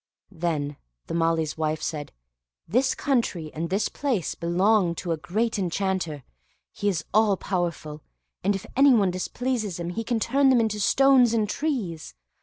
Then the Malee's wife said, "This country and this palace belong to a great enchanter; he is all powerful, and if anyone displeases him, he can turn them into stones and trees.